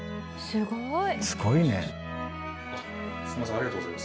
すごい！